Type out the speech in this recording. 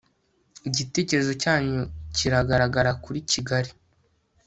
igitekerezo cyanyu kiragaragara kuri kigali